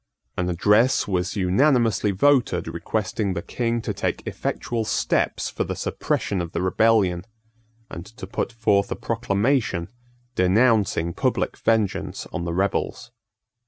An address was unanimously voted requesting the King to take effectual steps for the suppression of the rebellion, and to put forth a proclamation denouncing public vengeance on the rebels.